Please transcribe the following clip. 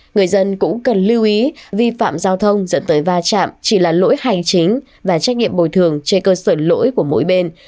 người dân cũng cần lưu ý vi phạm giao thông dẫn tới va chạm chỉ là lỗi hành chính và trách nhiệm bồi thường trên cơ sở lỗi của mỗi bên